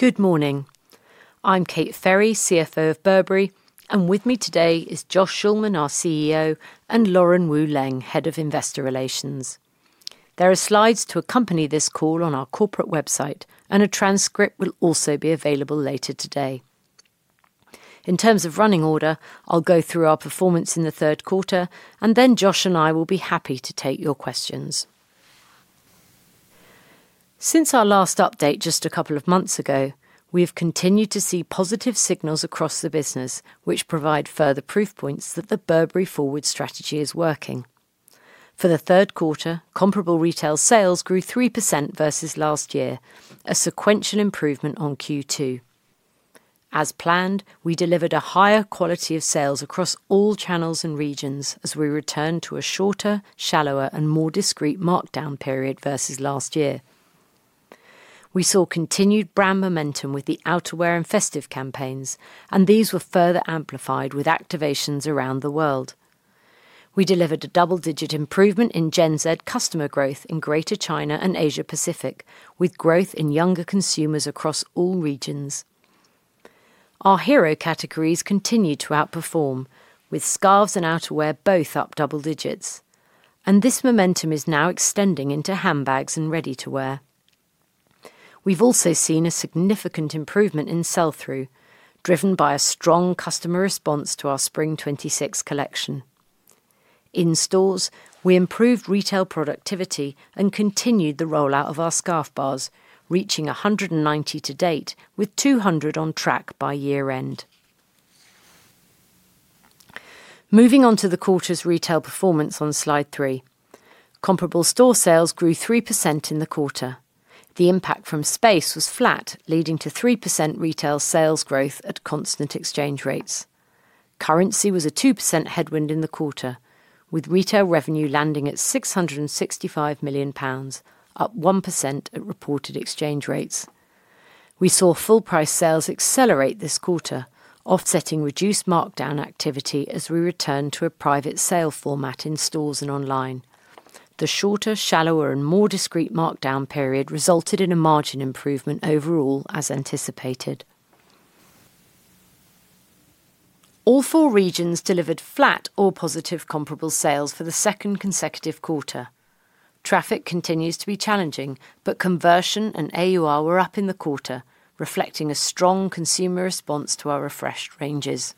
Good morning. I'm Kate Ferry, CFO of Burberry, and with me today is Josh Schulman, our CEO, and Lauren Wu Leng, Head of Investor Relations. There are slides to accompany this call on our corporate website, and a transcript will also be available later today. In terms of running order, I'll go through our performance in the third quarter, and then Josh and I will be happy to take your questions. Since our last update just a couple of months ago, we have continued to see positive signals across the business, which provide further proof points that the Burberry Forward strategy is working. For the third quarter, comparable retail sales grew 3% versus last year, a sequential improvement on Q2. As planned, we delivered a higher quality of sales across all channels and regions as we returned to a shorter, shallower, and more discreet markdown period versus last year. We saw continued brand momentum with the outerwear and festive campaigns, and these were further amplified with activations around the world. We delivered a double-digit improvement in Gen Z customer growth in Greater China and Asia Pacific, with growth in younger consumers across all regions. Our hero categories continued to outperform, with scarves and outerwear both up double digits, and this momentum is now extending into handbags and ready-to-wear. We've also seen a significant improvement in sell-through, driven by a strong customer response to our Spring 2026 collection. In stores, we improved retail productivity and continued the rollout of our Scarf Bars, reaching 190 to date, with 200 on track by year-end. Moving on to the quarter's retail performance on slide three. Comparable store sales grew 3% in the quarter. The impact from space was flat, leading to 3% retail sales growth at constant exchange rates. Currency was a 2% headwind in the quarter, with retail revenue landing at 665 million pounds, up 1% at reported exchange rates. We saw full-price sales accelerate this quarter, offsetting reduced markdown activity as we returned to a private sale format in stores and online. The shorter, shallower, and more discreet markdown period resulted in a margin improvement overall as anticipated. All four regions delivered flat or positive comparable sales for the second consecutive quarter. Traffic continues to be challenging, but conversion and AUR were up in the quarter, reflecting a strong consumer response to our refreshed ranges.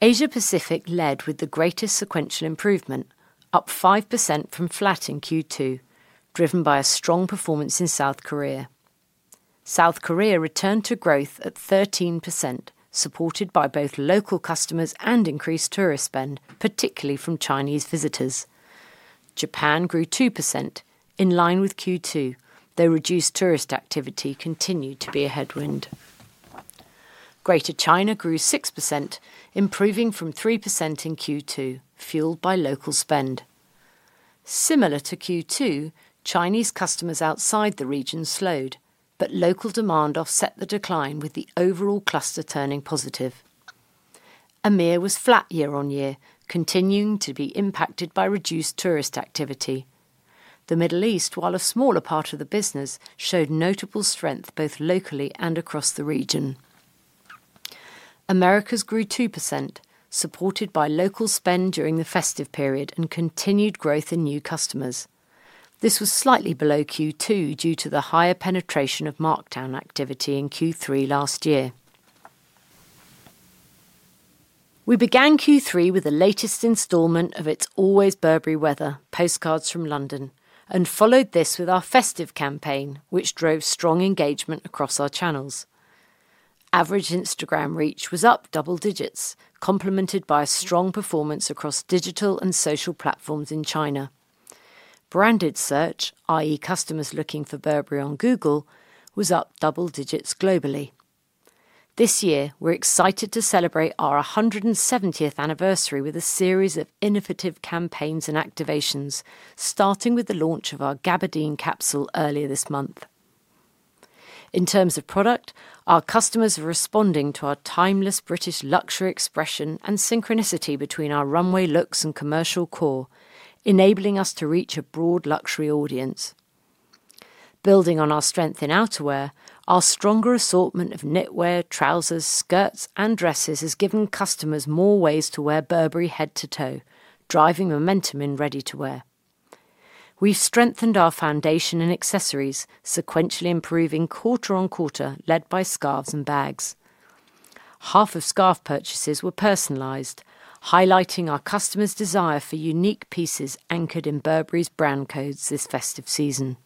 Asia Pacific led with the greatest sequential improvement, up 5% from flat in Q2, driven by a strong performance in South Korea. South Korea returned to growth at 13%, supported by both local customers and increased tourist spend, particularly from Chinese visitors. Japan grew 2% in line with Q2, though reduced tourist activity continued to be a headwind. Greater China grew 6%, improving from 3% in Q2, fueled by local spend. Similar to Q2, Chinese customers outside the region slowed, but local demand offset the decline with the overall cluster turning positive. EMEIA was flat year-on-year, continuing to be impacted by reduced tourist activity. The Middle East, while a smaller part of the business, showed notable strength both locally and across the region. Americas grew 2%, supported by local spend during the festive period and continued growth in new customers. This was slightly below Q2 due to the higher penetration of markdown activity in Q3 last year. We began Q3 with the latest installment of "It's Always Burberry Weather: Postcards from London," and followed this with our festive campaign, which drove strong engagement across our channels. Average Instagram reach was up double digits, complemented by a strong performance across digital and social platforms in China. Branded search, i.e., customers looking for Burberry on Google, was up double digits globally. This year, we're excited to celebrate our 170th anniversary with a series of innovative campaigns and activations, starting with the launch of our Gabardine Capsule earlier this month. In terms of product, our customers are responding to our timeless British luxury expression and synchronicity between our runway looks and commercial core, enabling us to reach a broad luxury audience. Building on our strength in outerwear, our stronger assortment of knitwear, trousers, skirts, and dresses has given customers more ways to wear Burberry head-to-toe, driving momentum in ready-to-wear. We've strengthened our foundation in accessories, sequentially improving quarter on quarter, led by scarves and bags. Half of scarf purchases were personalized, highlighting our customers' desire for unique pieces anchored in Burberry's brand codes this festive season.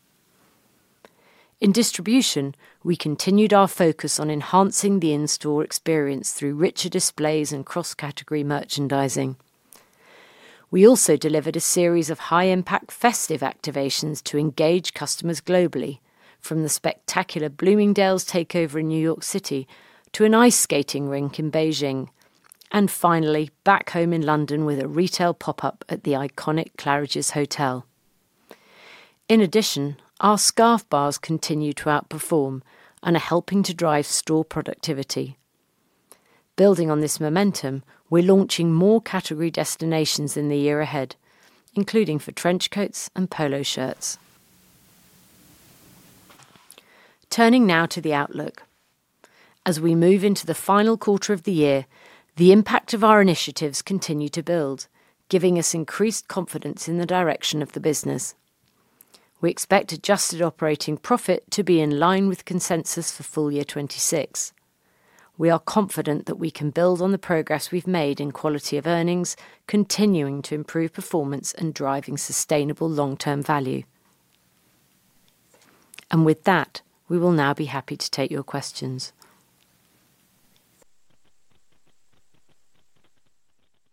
In distribution, we continued our focus on enhancing the in-store experience through richer displays and cross-category merchandising. We also delivered a series of high-impact festive activations to engage customers globally, from the spectacular Bloomingdale's Takeover in New York City to an ice skating rink in Beijing, and finally, back home in London with a retail pop-up at the iconic Claridge's Hotel. In addition, our Scarf Bars continue to outperform and are helping to drive store productivity. Building on this momentum, we're launching more category destinations in the year ahead, including for trench coats and polo shirts. Turning now to the outlook. As we move into the final quarter of the year, the impact of our initiatives continues to build, giving us increased confidence in the direction of the business. We expect Adjusted Operating Profit to be in line with consensus for full year 2026. We are confident that we can build on the progress we've made in quality of earnings, continuing to improve performance and driving sustainable long-term value. With that, we will now be happy to take your questions.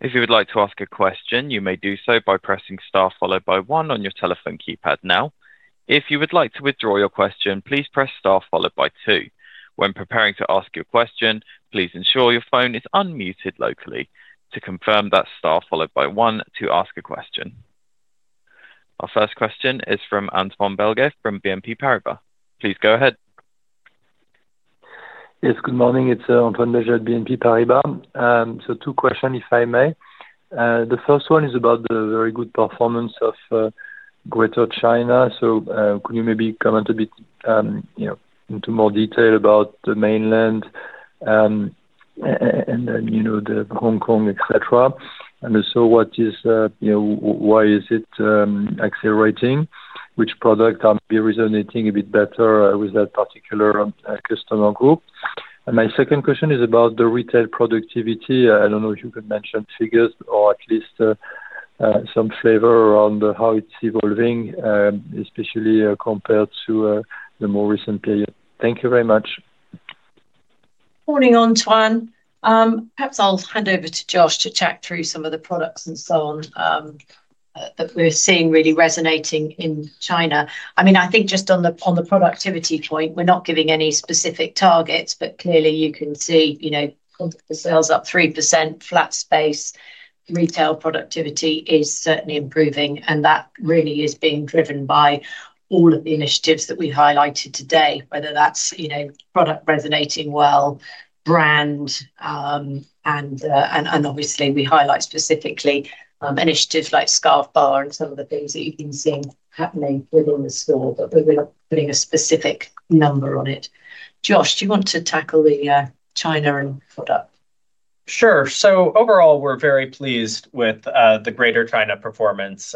If you would like to ask a question, you may do so by pressing star followed by one on your telephone keypad now. If you would like to withdraw your question, please press star followed by two. When preparing to ask your question, please ensure your phone is unmuted locally to confirm that star followed by one to ask a question. Our first question is from Antoine Belge from BNP Paribas. Please go ahead. Yes, good morning. It's Antoine Belge at BNP Paribas, so two questions, if I may. The first one is about the very good performance of Greater China, so could you maybe comment a bit into more detail about the mainland and then Hong Kong, etc., and also what is, why is it accelerating? Which products are maybe resonating a bit better with that particular customer group, and my second question is about the retail productivity. I don't know if you could mention figures or at least some flavor around how it's evolving, especially compared to the more recent period. Thank you very much. Morning, Antoine. Perhaps I'll hand over to Josh to chat through some of the products and so on that we're seeing really resonating in China. I mean, I think just on the productivity point, we're not giving any specific targets, but clearly you can see the sales up 3%, flat space, retail productivity is certainly improving, and that really is being driven by all of the initiatives that we've highlighted today, whether that's product resonating well, brand, and obviously we highlight specifically initiatives like Scarf Bar and some of the things that you've been seeing happening within the store, but we're not putting a specific number on it. Josh, do you want to tackle the China and product? Sure. So, overall, we're very pleased with the Greater China performance,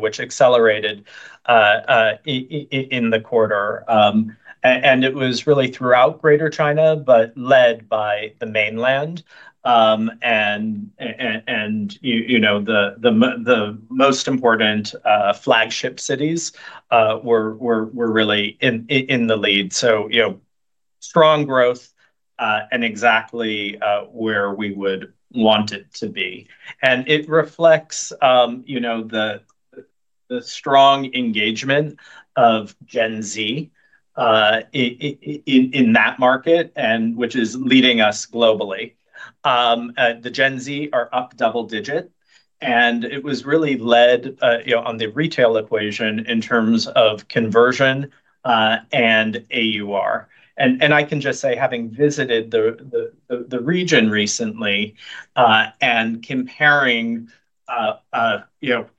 which accelerated in the quarter. And it was really throughout Greater China, but led by the mainland. And the most important flagship cities were really in the lead. So, strong growth and exactly where we would want it to be. And it reflects the strong engagement of Gen Z in that market, which is leading us globally. The Gen Z are up double-digit, and it was really led on the retail equation in terms of conversion and AUR. I can just say, having visited the region recently and comparing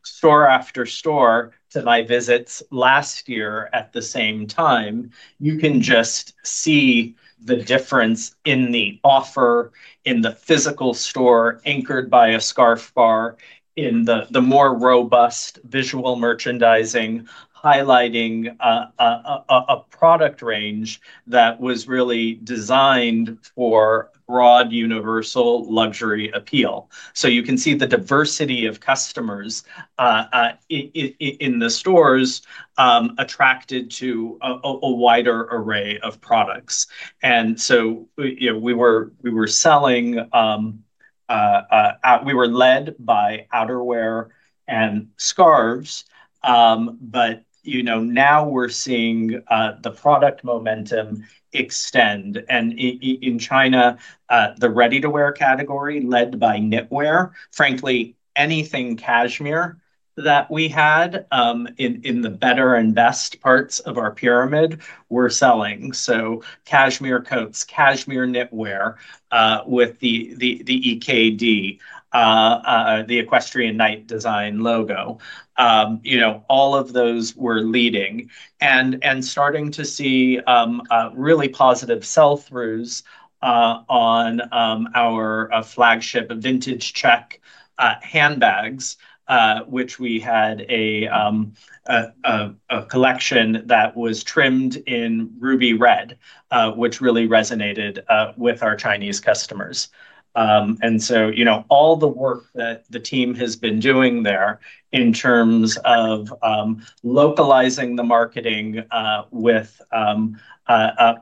store after store to my visits last year at the same time, you can just see the difference in the offer in the physical store anchored by a Scarf Bar, in the more robust visual merchandising highlighting a product range that was really designed for broad universal luxury appeal. So, you can see the diversity of customers in the stores attracted to a wider array of products. And so, we were selling, we were led by outerwear and scarves, but now we're seeing the product momentum extend. And in China, the ready-to-wear category led by knitwear. Frankly, anything cashmere that we had in the better and best parts of our pyramid, we're selling. So, cashmere coats, cashmere knitwear with the EKD, the Equestrian Knight Design logo. All of those were leading and starting to see really positive sell-throughs on our flagship Vintage Check handbags, which we had a collection that was trimmed in ruby red, which really resonated with our Chinese customers, and so all the work that the team has been doing there in terms of localizing the marketing with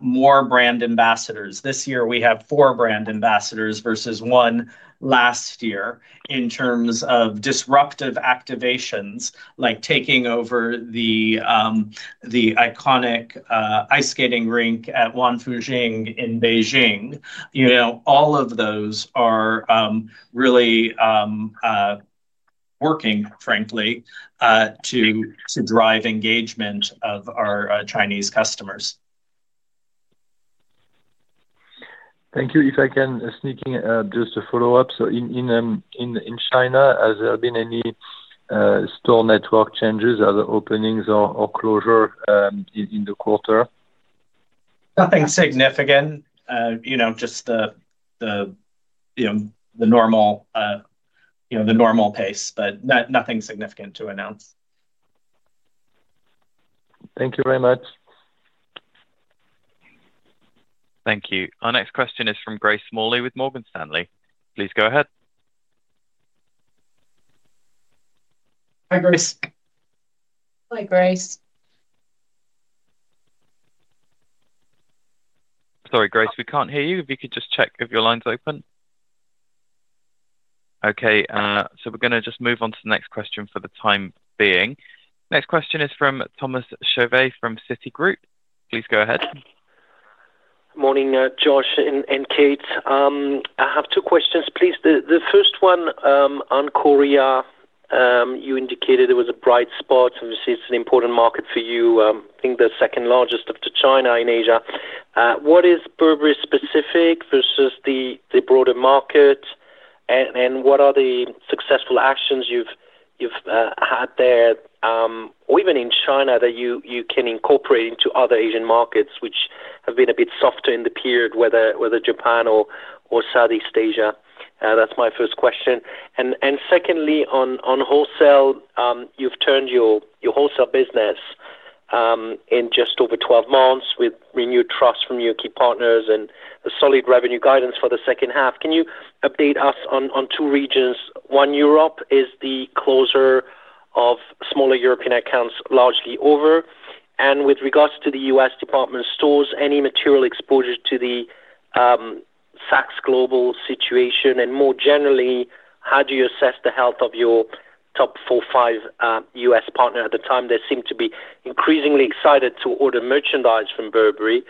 more brand ambassadors. This year, we have four brand ambassadors versus one last year in terms of disruptive activations like taking over the iconic ice-skating rink at Wangfujing in Beijing. All of those are really working, frankly, to drive engagement of our Chinese customers. Thank you. If I can sneak in just a follow-up, so in China, has there been any store network changes or openings or closure in the quarter? Nothing significant. Just the normal pace, but nothing significant to announce. Thank you very much. Thank you. Our next question is from Grace Smalley with Morgan Stanley. Please go ahead. Hi, Grace. Hi, Grace. Sorry, Grace, we can't hear you. If you could just check if your line's open. Okay. So, we're going to just move on to the next question for the time being. Next question is from Thomas Chauvet from Citigroup. Please go ahead. Morning, Josh and Kate. I have two questions, please. The first one, Antoine, you indicated it was a bright spot. Obviously, it's an important market for you. I think the second largest of China in Asia. What is Burberry specific versus the broader market, and what are the successful actions you've had there, or even in China, that you can incorporate into other Asian markets, which have been a bit softer in the period, whether Japan or Southeast Asia? That's my first question. And secondly, on wholesale, you've turned your wholesale business in just over 12 months with renewed trust from your key partners and solid revenue guidance for the second half. Can you update us on two regions? One, Europe: is the closure of smaller European accounts largely over? And with regards to the U.S. department stores, any material exposure to the Saks Global situation? More generally, how do you assess the health of your top four, five U.S. partners? At the time, they seem to be increasingly excited to order merchandise from Burberry,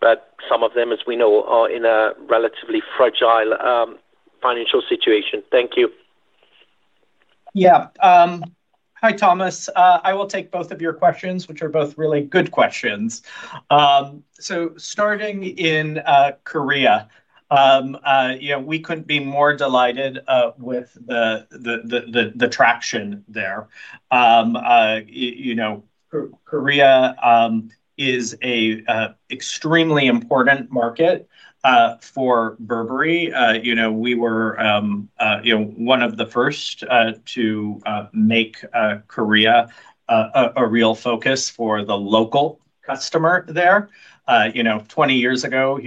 but some of them, as we know, are in a relatively fragile financial situation. Thank you. Yeah. Hi, Thomas. I will take both of your questions, which are both really good questions. So, starting in Korea, we couldn't be more delighted with the traction there. Korea is an extremely important market for Burberry. We were one of the first to make Korea a real focus for the local customer there. Twenty years ago,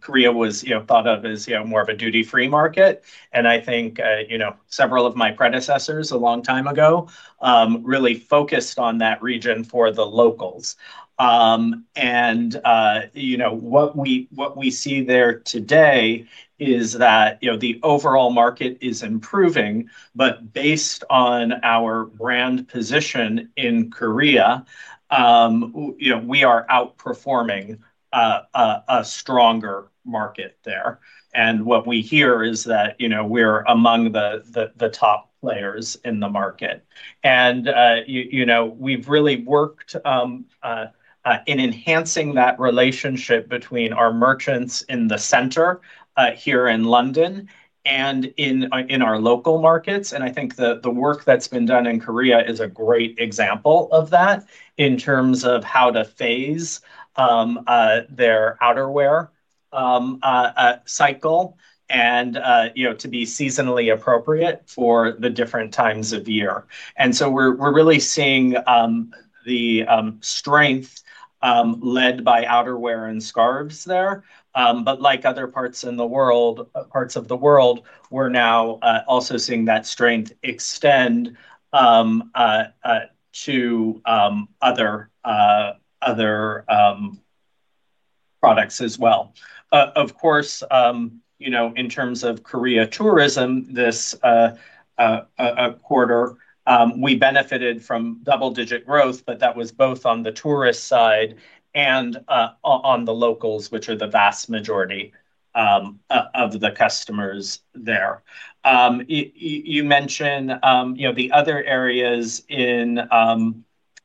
Korea was thought of as more of a duty-free market. And I think several of my predecessors a long time ago really focused on that region for the locals. And what we see there today is that the overall market is improving, but based on our brand position in Korea, we are outperforming a stronger market there. And what we hear is that we're among the top players in the market. And we've really worked in enhancing that relationship between our merchants in the center here in London and in our local markets. I think the work that's been done in Korea is a great example of that in terms of how to phase their outerwear cycle and to be seasonally appropriate for the different times of year. So, we're really seeing the strength led by outerwear and scarves there. But like other parts of the world, we're now also seeing that strength extend to other products as well. Of course, in terms of Korea tourism this quarter, we benefited from double-digit growth, but that was both on the tourist side and on the locals, which are the vast majority of the customers there. You mentioned the other areas in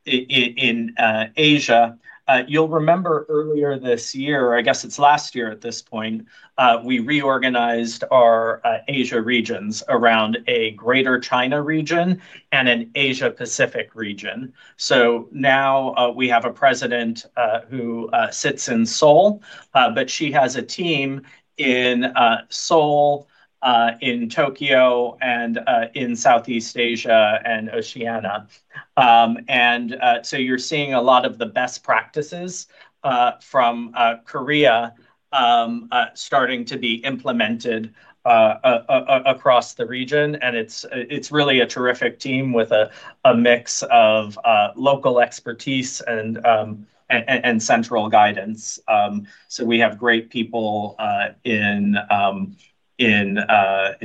Asia. You'll remember earlier this year, or I guess it's last year at this point, we reorganized our Asia regions around a Greater China region and an Asia Pacific region. So, now we have a president who sits in Seoul, but she has a team in Seoul, in Tokyo, and in Southeast Asia and Oceania. And so, you're seeing a lot of the best practices from Korea starting to be implemented across the region. And it's really a terrific team with a mix of local expertise and central guidance. So, we have great people in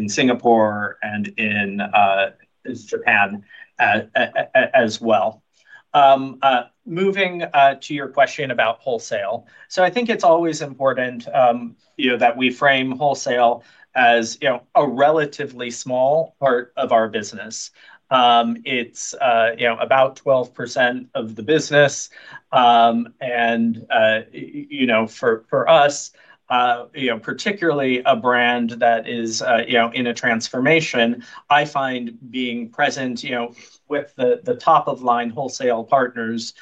Singapore and in Japan as well. Moving to your question about wholesale. So, I think, it's always important that we frame wholesale as a relatively small part of our business. It's about 12% of the business. And for us, particularly a brand that is in a transformation, I find being present with the top-of-the-line wholesale partners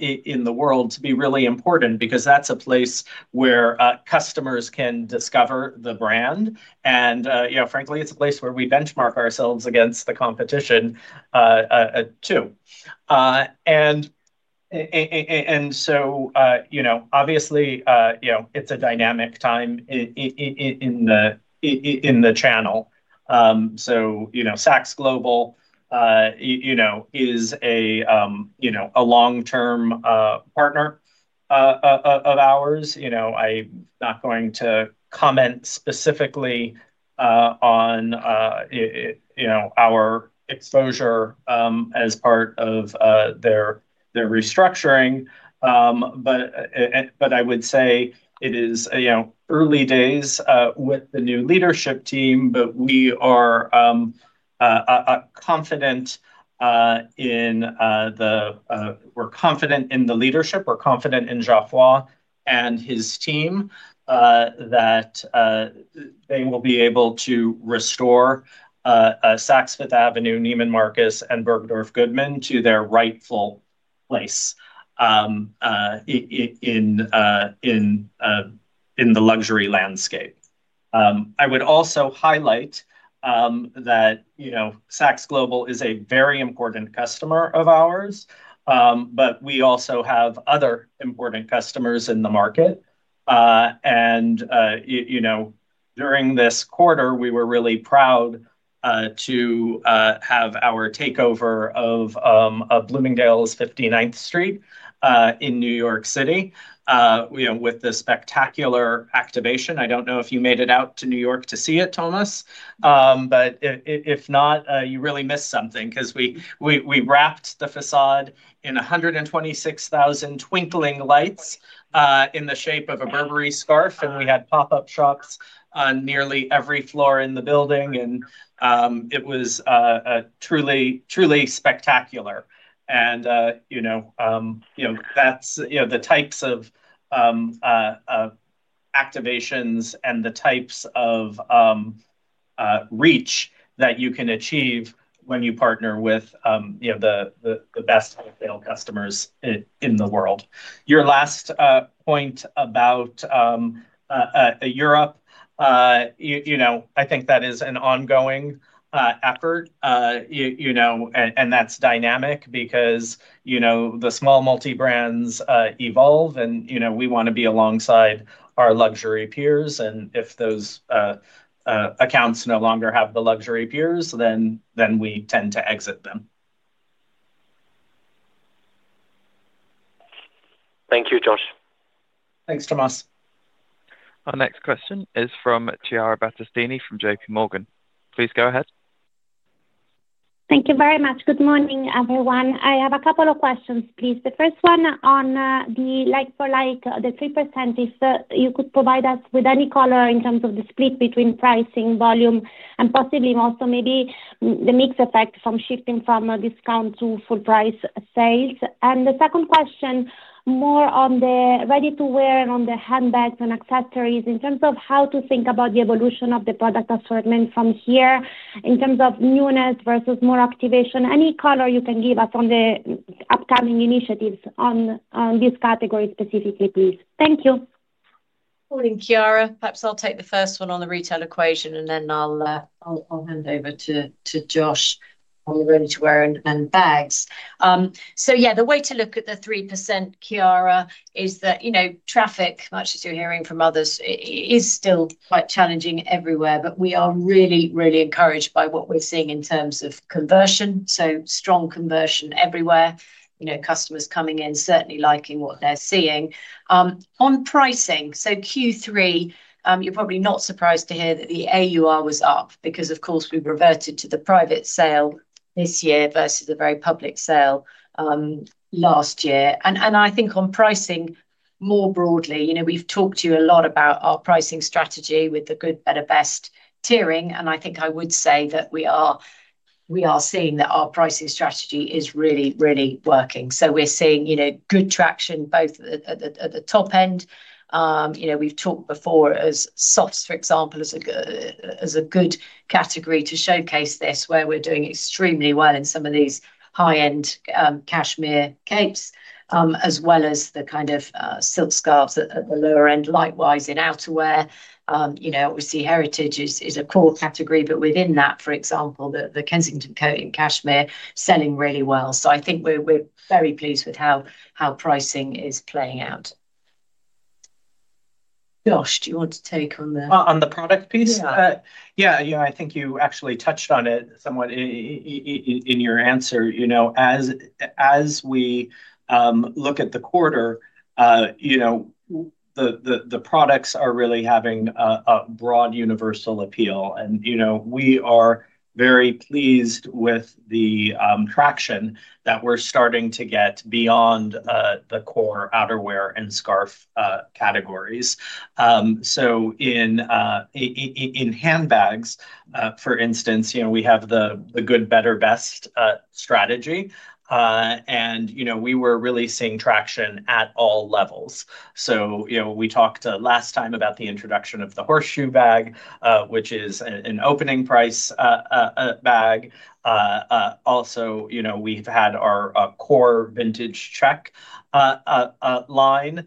in the world to be really important because that's a place where customers can discover the brand. And frankly, it's a place where we benchmark ourselves against the competition too. And so, obviously, it's a dynamic time in the channel. So, Saks Global is a long-term partner of ours. I'm not going to comment specifically on our exposure as part of their restructuring, but I would say it is early days with the new leadership team, but we are confident in the leadership. We're confident in Geoffroy and his team that they will be able to restore Saks Fifth Avenue, Neiman Marcus, and Bergdorf Goodman to their rightful place in the luxury landscape. I would also highlight that Saks Global is a very important customer of ours, but we also have other important customers in the market. And during this quarter, we were really proud to have our takeover of Bloomingdale's 59th Street in New York City with the spectacular activation. I don't know if you made it out to New York to see it, Thomas, but if not, you really missed something because we wrapped the facade in 126,000 twinkling lights in the shape of a Burberry scarf, and we had pop-up shops on nearly every floor in the building, and it was truly spectacular, and that's the types of activations and the types of reach that you can achieve when you partner with the best wholesale customers in the world. Your last point about Europe, I think that is an ongoing effort, and that's dynamic because the small multi-brands evolve, and we want to be alongside our luxury peers, and if those accounts no longer have the luxury peers, then we tend to exit them. Thank you, Josh. Thanks, Thomas. Our next question is from Chiara Battistini from J.P. Morgan. Please go ahead. Thank you very much. Good morning, everyone. I have a couple of questions, please. The first one on the like-for-like, the 3%, if you could provide us with any color in terms of the split between pricing, volume, and possibly also maybe the mixed effect from shifting from discount to full-price sales? And the second question, more on the ready-to-wear and on the handbags and accessories in terms of how to think about the evolution of the product assortment from here in terms of newness versus more activation. Any color you can give us on the upcoming initiatives on this category specifically, please? Thank you. Morning, Chiara. Perhaps I'll take the first one on the retail equation, and then I'll hand over to Josh on the ready-to-wear and bags. So, yeah, the way to look at the 3%, Chiara, is that traffic, much as you're hearing from others, is still quite challenging everywhere, but we are really, really encouraged by what we're seeing in terms of conversion. So, strong conversion everywhere. Customers coming in, certainly liking what they're seeing. On pricing, so Q3, you're probably not surprised to hear that the AUR was up because, of course, we reverted to the private sale this year versus the very public sale last year. And I think on pricing more broadly, we've talked to you a lot about our pricing strategy with the good, better, best tiering. And I think, I would say that we are seeing that our pricing strategy is really, really working. So, we're seeing good traction at the top end. We've talked before as softs, for example, as a good category to showcase this, where we're doing extremely well in some of these high-end cashmere capes, as well as the kind of silk scarves at the lower end, likewise in outerwear. Obviously, heritage is a core category, but within that, for example, the Kensington Coat in cashmere selling really well. So, I think we're very pleased with how pricing is playing out. Josh, do you want to take on the. On the product piece? Yeah. Yeah. I think you actually touched on it somewhat in your answer. As we look at the quarter, the products are really having a broad universal appeal, and we are very pleased with the traction that we're starting to get beyond the core outerwear and scarf categories, so in handbags, for instance, we have the good, better, best strategy, and we were really seeing traction at all levels, so we talked last time about the introduction of the horseshoe bag, which is an opening price bag. Also, we've had our core Vintage Check line,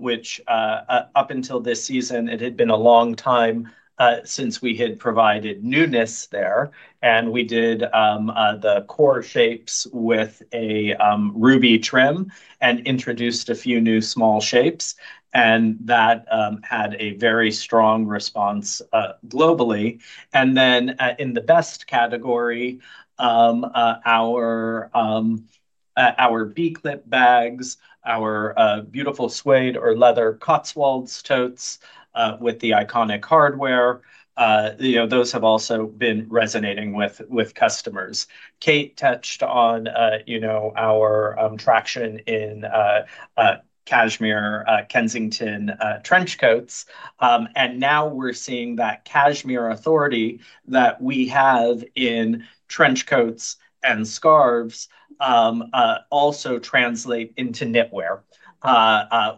which up until this season, it had been a long time since we had provided newness there, and we did the core shapes with a ruby trim and introduced a few new small shapes, and that had a very strong response globally. And then, in the best category, our B-Clip bags, our beautiful suede or leather Cotswold totes with the iconic hardware, those have also been resonating with customers. Kate touched on our traction in cashmere Kensington trench coats. And now we're seeing that cashmere authority that we have in trench coats and scarves also translate into knitwear,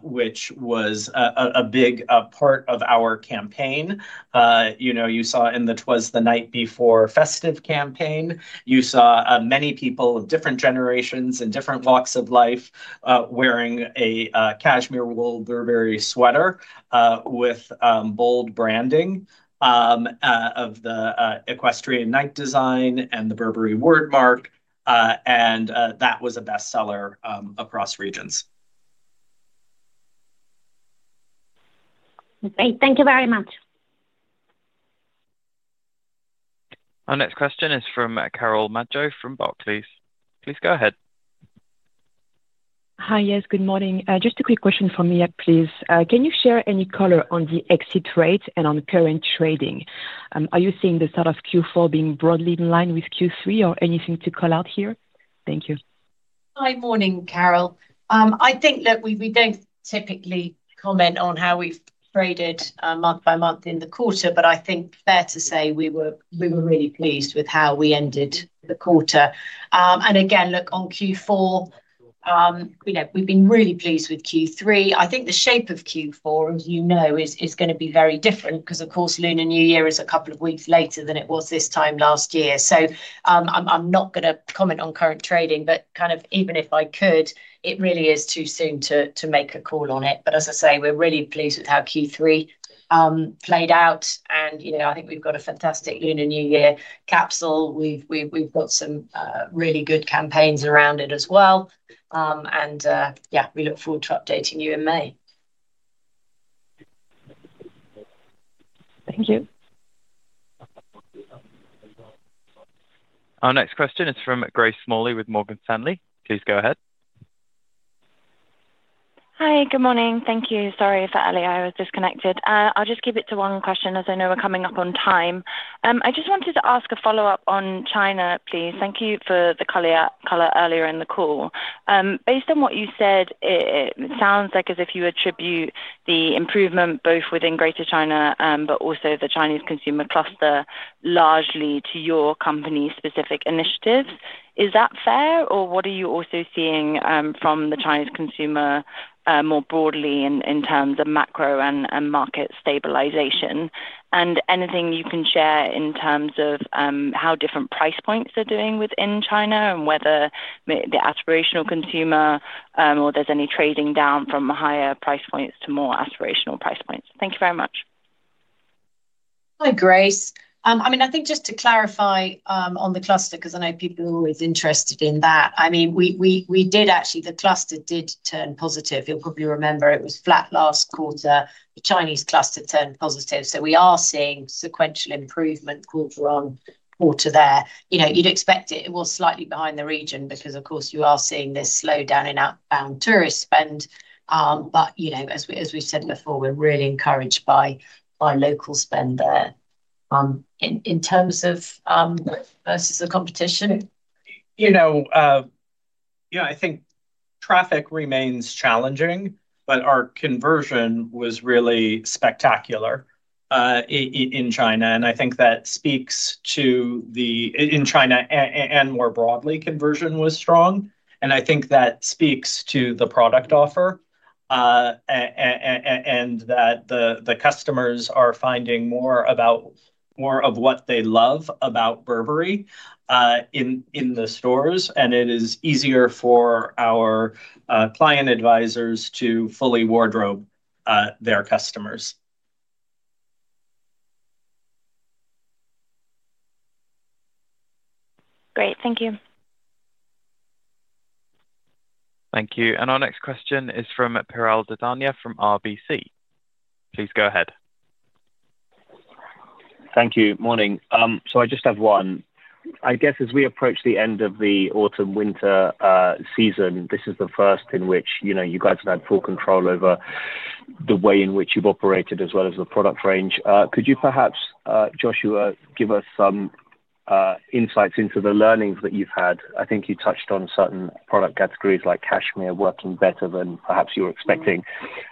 which was a big part of our campaign. You saw in the 'Twas the Night Before festive campaign, you saw many people of different generations and different walks of life wearing a cashmere wool Burberry sweater with bold branding of the equestrian knight design and the Burberry wordmark. And that was a bestseller across regions. Okay. Thank you very much. Our next question is from Carole Madjo from Barclays. Please go ahead. Hi, yes, good morning. Just a quick question from me, please. Can you share any color on the exit rate and on current trading? Are you seeing the start of Q4 being broadly in line with Q3 or anything to call out here? Thank you. Hi, morning, Carole. I think, look, we don't typically comment on how we've traded month-by-month in the quarter, but I think fair to say we were really pleased with how we ended the quarter, and again, look, on Q4, we've been really pleased with Q3. I think the shape of Q4, as you know, is going to be very different because, of course, Lunar New Year is a couple of weeks later than it was this time last year, so I'm not going to comment on current trading, but kind of even if I could, it really is too soon to make a call on it, but as I say, we're really pleased with how Q3 played out, and I think we've got a fantastic Lunar New Year capsule. We've got some really good campaigns around it as well. Yeah, we look forward to updating you in May. Thank you. Our next question is from Grace Smalley with Morgan Stanley. Please go ahead. Hi, good morning. Thank you. Sorry for earlier I was disconnected. I'll just keep it to one question as I know we're coming up on time. I just wanted to ask a follow-up on China, please. Thank you for the color earlier in the call. Based on what you said, it sounds like as if you attribute the improvement both within Greater China but also the Chinese consumer cluster largely to your company-specific initiatives. Is that fair, or what are you also seeing from the Chinese consumer more broadly in terms of macro and market stabilization? And anything you can share in terms of how different price points are doing within China and whether the aspirational consumer or there's any trading down from higher price points to more aspirational price points? Thank you very much. Hi, Grace. I mean, I think just to clarify on the cluster, because I know people are always interested in that. I mean, we did actually the cluster did turn positive. You'll probably remember it was flat last quarter. The Chinese cluster turned positive. So, we are seeing sequential improvement quarter-on-quarter there. You'd expect it. It was slightly behind the region because, of course, you are seeing this slowdown in outbound tourist spend. But as we've said before, we're really encouraged by local spend there in terms of versus the competition. Yeah, I think traffic remains challenging, but our conversion was really spectacular in China. And I think that speaks to the in China and more broadly, conversion was strong. And I think that speaks to the product offer and that the customers are finding more of what they love about Burberry in the stores. And it is easier for our client advisors to fully wardrobe their customers. Great. Thank you. Thank you. And our next question is from Piral Dadhania from RBC. Please go ahead. Thank you. Morning. So, I just have one. I guess as we approach the end of the autumn-winter season, this is the first in which you guys have had full control over the way in which you've operated as well as the product range. Could you perhaps, Joshua, give us some insights into the learnings that you've had? I think you touched on certain product categories like cashmere working better than perhaps you were expecting.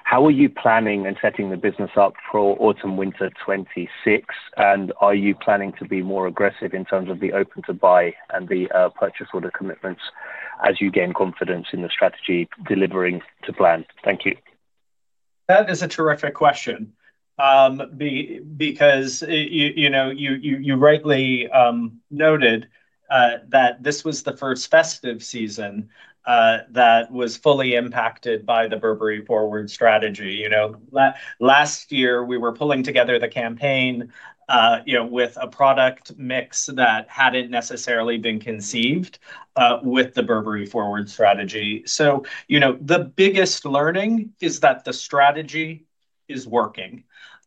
How are you planning and setting the business up for autumn-winter 2026? And are you planning to be more aggressive in terms of the open-to-buy and the purchase order commitments as you gain confidence in the strategy delivering to plan? Thank you. That is a terrific question because you rightly noted that this was the first festive season that was fully impacted by the Burberry Forward strategy. Last year, we were pulling together the campaign with a product mix that hadn't necessarily been conceived with the Burberry Forward strategy. So, the biggest learning is that the strategy is working,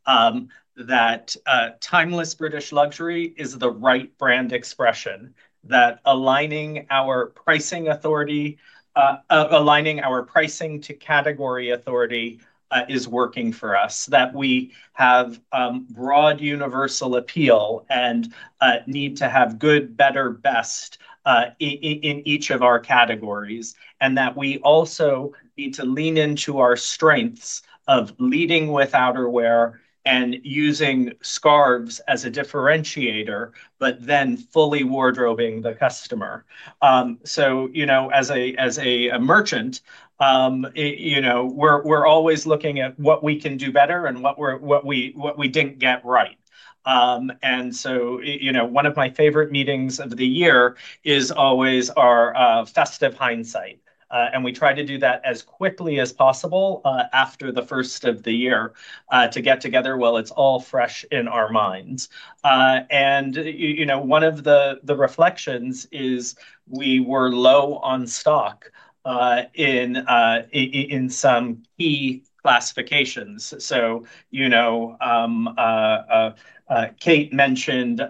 that Timeless British Luxury is the right brand expression, that aligning our pricing to category authority is working for us, that we have broad universal appeal and need to have good, better, best in each of our categories, and that we also need to lean into our strengths of leading with outerwear and using scarves as a differentiator, but then fully wardrobing the customer. So, as a merchant, we're always looking at what we can do better and what we didn't get right. One of my favorite meetings of the year is always our festive hindsight. We try to do that as quickly as possible after the first of the year to get together while it's all fresh in our minds. One of the reflections is we were low on stock in some key classifications. Kate mentioned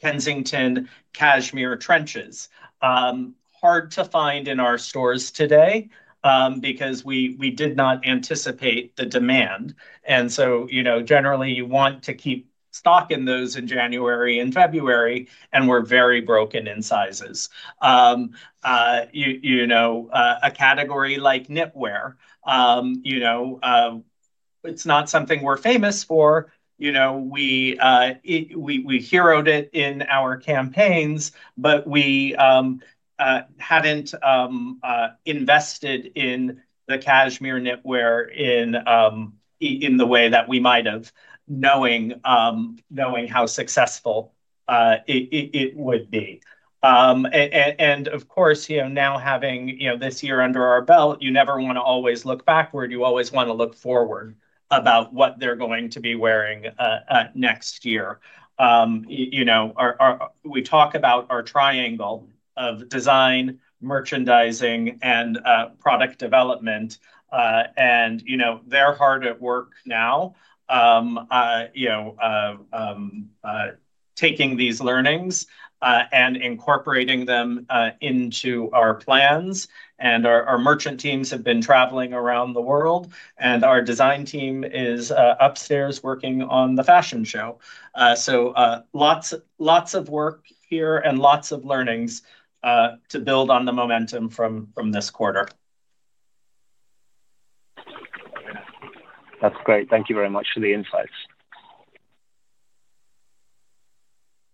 Kensington cashmere trenches, hard to find in our stores today because we did not anticipate the demand. Generally, you want to keep stock in those in January and February, and we're very broken in sizes. A category like knitwear, it's not something we're famous for. We heroed it in our campaigns, but we hadn't invested in the cashmere knitwear in the way that we might have known how successful it would be. Of course, now having this year under our belt, you never want to always look backward. You always want to look forward about what they're going to be wearing next year. We talk about our triangle of design, merchandising, and product development, and they're hard at work now taking these learnings and incorporating them into our plans, and our merchant teams have been traveling around the world, and our design team is upstairs working on the fashion show, so lots of work here and lots of learnings to build on the momentum from this quarter. That's great. Thank you very much for the insights.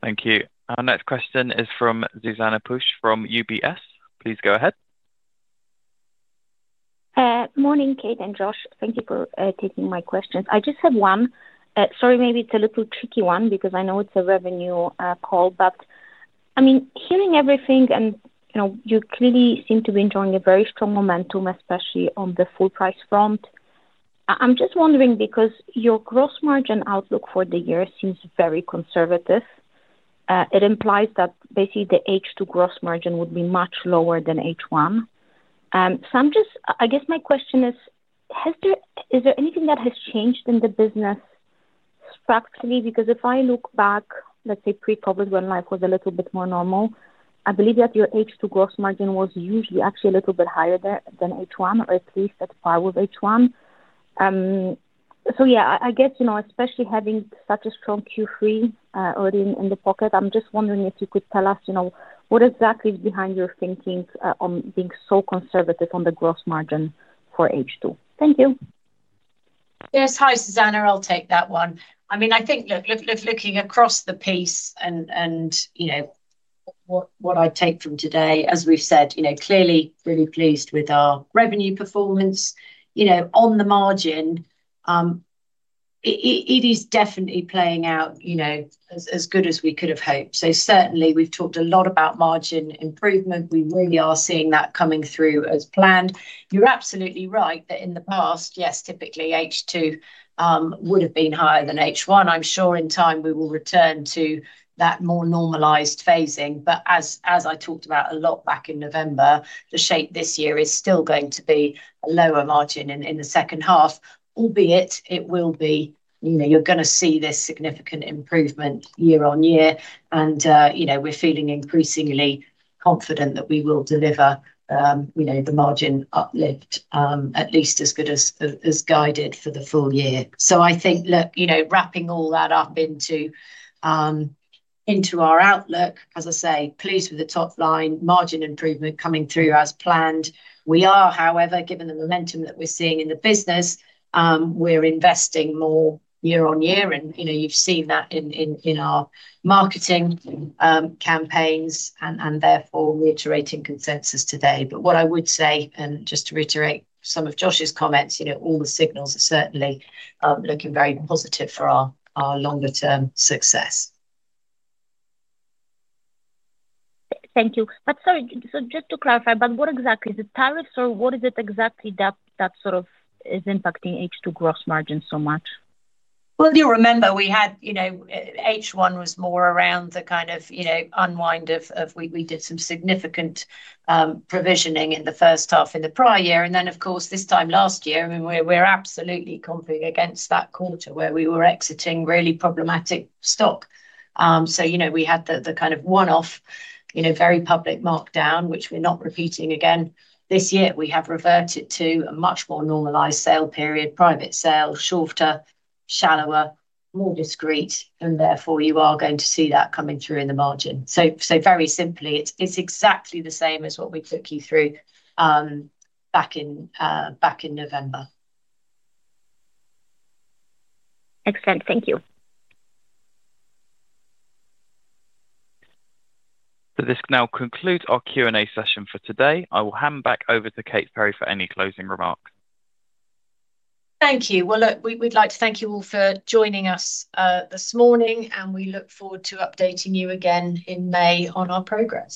Thank you. Our next question is from Zuzanna Pusz from UBS. Please go ahead. Morning, Kate and Josh. Thank you for taking my questions. I just have one. Sorry, maybe it's a little tricky one because I know it's a revenue call. But I mean, hearing everything, and you clearly seem to be enjoying a very strong momentum, especially on the full price front. I'm just wondering because your gross margin outlook for the year seems very conservative. It implies that basically the H2 gross margin would be much lower than H1. So, I guess my question is, is there anything that has changed in the business structurally? Because if I look back, let's say pre-COVID, when life was a little bit more normal, I believe that your H2 gross margin was usually actually a little bit higher than H1, or at least as far with H1. So, yeah, I guess especially having such a strong Q3 already in the pocket, I'm just wondering if you could tell us what exactly is behind your thinking on being so conservative on the gross margin for H2? Thank you. Yes. Hi, Zuzanna. I'll take that one. I mean, I think looking across the piece and what I take from today, as we've said, clearly really pleased with our revenue performance. On the margin, it is definitely playing out as good as we could have hoped. Certainly, we've talked a lot about margin improvement. We really are seeing that coming through as planned. You're absolutely right that in the past, yes, typically H2 would have been higher than H1. I'm sure in time we will return to that more normalized phasing. As I talked about a lot back in November, the shape this year is still going to be a lower margin in the second half, albeit it will be. You're going to see this significant improvement year-on-year. We're feeling increasingly confident that we will deliver the margin uplift at least as good as guided for the full year. I think, look, wrapping all that up into our outlook, as I say, pleased with the top line, margin improvement coming through as planned. We are, however, given the momentum that we're seeing in the business, we're investing more year-on-year. You've seen that in our marketing campaigns and therefore reiterating consensus today. What I would say, and just to reiterate some of Josh's comments, all the signals are certainly looking very positive for our longer-term success. Thank you. But sorry, so just to clarify, but what exactly is it, tariffs, or what is it exactly that sort of is impacting H2 gross margin so much? You'll remember we had H1 was more around the kind of unwind of we did some significant provisioning in the first half in the prior year. And then, of course, this time last year, I mean, we're absolutely confident against that quarter where we were exiting really problematic stock. So, we had the kind of one-off very public markdown, which we're not repeating again this year. We have reverted to a much more normalized sale period, private sale, shorter, shallower, more discreet. And therefore, you are going to see that coming through in the margin. So, very simply, it's exactly the same as what we took you through back in November. Excellent. Thank you. So, this now concludes our Q&A session for today. I will hand back over to Kate Ferry for any closing remarks. Thank you. Well, look, we'd like to thank you all for joining us this morning, and we look forward to updating you again in May on our progress.